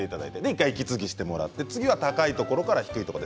１回息継ぎして次は高いところから低いところ。